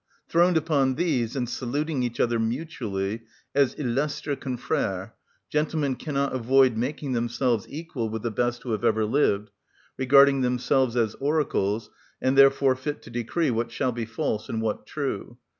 Throned upon these, and saluting each other mutually as illustre confrère, gentlemen cannot avoid making themselves equal with the best who have ever lived, regarding themselves as oracles, and therefore fit to decree what shall be false and what true.